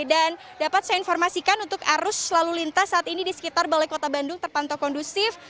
dan dapat saya informasikan untuk arus selalu lintas saat ini di sekitar balai kota bandung terpantau kondusif